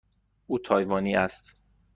او تایوانی است.